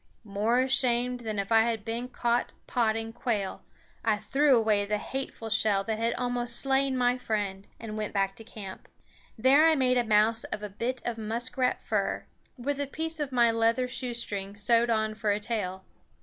More ashamed than if I had been caught potting quail, I threw away the hateful shell that had almost slain my friend and went back to camp. There I made a mouse of a bit of muskrat fur, with a piece of my leather shoestring sewed on for a tail.